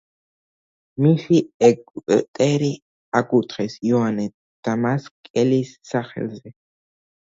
მისი ეგვტერი აკურთხეს იოანე დამასკელის სახელზე.